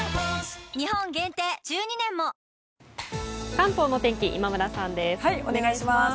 関東の天気、今村さんです。